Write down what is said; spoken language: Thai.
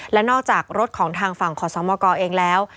และนอกจากรถของทางฝั่งขอสมกเองแล้ว